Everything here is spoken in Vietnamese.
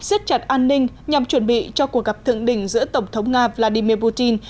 siết chặt an ninh nhằm chuẩn bị cho cuộc gặp thượng đỉnh giữa tổng thống nga vladimir putin